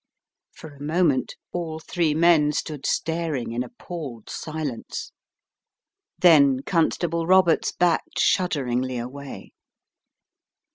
For a moment all three men stood staring in appalled silence. Then Constable Roberts backed shudderingly away.